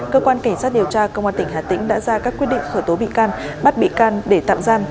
cơ quan cảnh sát điều tra công an tỉnh hà tĩnh đã ra các quyết định khởi tố bị can bắt bị can để tạm giam